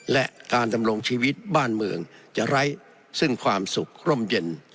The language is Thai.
และการดำรงชีวิตบ้านเมืองจะไร้ซึ่งความสุขร่มเย็น